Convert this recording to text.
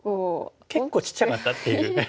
結構ちっちゃかったっていう。